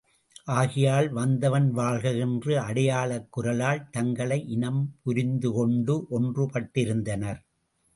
ஆகையால் வத்தவன் வாழ்க! என்ற அடையாளக் குரலால் தங்களை இனம் புரிந்துகொண்டு ஒன்று பட்டிருந்தனர்.